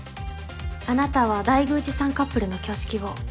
あなたは大宮司さんカップルの挙式を？